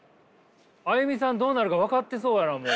ＡＹＵＭＩさんどうなるか分かってそうやなもう。